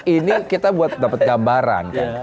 ini kita buat dapat gambaran